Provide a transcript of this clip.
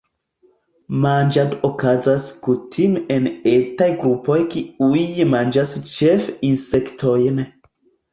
Manĝado okazas kutime en etaj grupoj kiuj manĝas ĉefe insektojn.